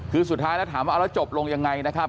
คือสุดท้ายแล้วถามว่าเอาแล้วจบลงยังไงนะครับ